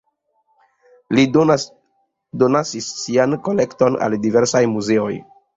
Li donacis sian kolekton al diversaj muzeoj.